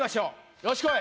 よしこい。